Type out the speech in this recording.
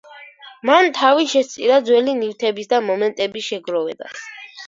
მან თავი შესწირა ძველი ნივთების და მონეტების შეგროვებას.